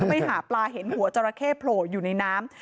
ไปหาปลาเห็นหัวจราเข้โผล่อยู่ในน้ำ